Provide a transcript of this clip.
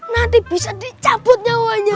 nanti bisa dicabut nyawanya